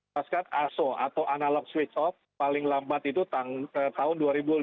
pasca aso atau analog switch off paling lambat itu tahun dua ribu lima belas